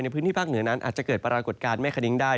พื้นที่ภาคเหนือนั้นอาจจะเกิดปรากฏการณ์แม่คณิ้งได้